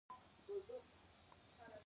پملا ژورنال په کال کې څلور ځله خپریږي.